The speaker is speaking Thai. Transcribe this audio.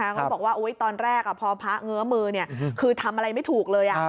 ก็บอกว่าตอนแรกพอพระเงื้อมือคือทำอะไรไม่ถูกเลย